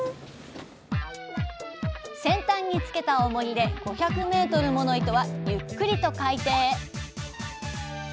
先端につけたおもりで５００ｍもの糸はゆっくりと海底へ。